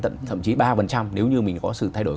thậm chí ba nếu như mình có sự thay đổi